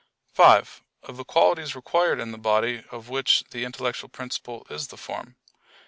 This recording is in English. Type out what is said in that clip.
(5) Of the qualities required in the body of which the intellectual principle is the form?